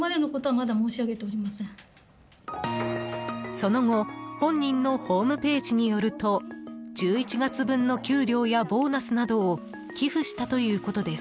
その後、本人のホームページによると１１月分の給料やボーナスなどを寄付したということです。